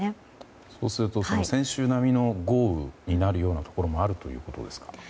そうすると先週並みの豪雨になるようなところもあるということですか？